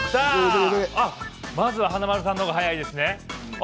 まず華丸さんの方が早いですね。